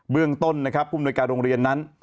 เบื้องต้นผู้มนวยการโรงเรียนนั้น